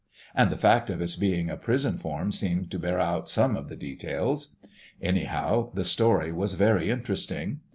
and the fact of its being a prison form seemed to bear out some of the details; anyhow, the story was very interesting.